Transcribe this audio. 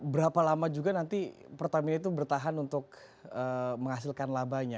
berapa lama juga nanti pertamina itu bertahan untuk menghasilkan labanya